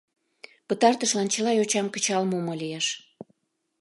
Пытартышлан чыла йочам кычал мумо лиеш.